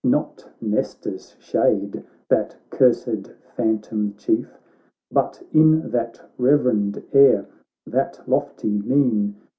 Not Nestor's shade, that cursed phantom chief. But in that reverend air, that lofty mien.